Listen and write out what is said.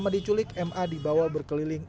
penculik ma dibawa berkeliling